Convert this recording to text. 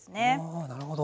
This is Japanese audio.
あなるほど。